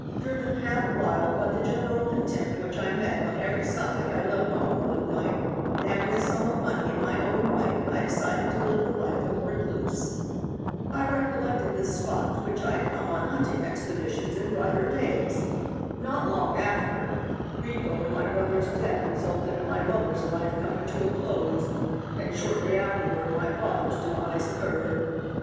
Driven half wild by the general contempt which I met on every side I left home one night, and having a sum of money in my own right I decided to live the life of a recluse. "I recollected this spot to which I had come on hunting expeditions in brighter days. Not long after, grief over my brother's death resulted in my mother's life coming to a close, and shortly afterward my father's demise occurred.